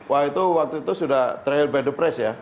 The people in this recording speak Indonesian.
wah itu waktu itu sudah terakhir by the press ya